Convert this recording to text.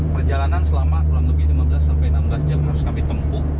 perjalanan selama kurang lebih lima belas sampai enam belas jam harus kami tempuh